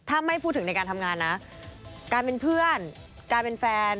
เอาจริงข่าวจริงหรือข่าวโฟร์โมดตอนแรก